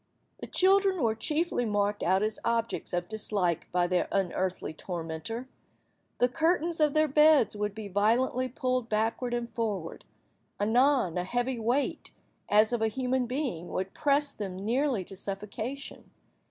The children were chiefly marked out as objects of dislike by their unearthly tormenter. The curtains of their beds would be violently pulled backward and forward. Anon, a heavy weight, as of a human being, would press them nearly to suffocation.